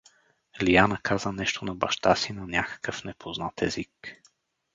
Лиана каза нещо на баща си на някакъв непознат език.